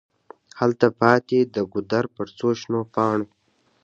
هلته پاتي د ګودر پر څوشنو پاڼو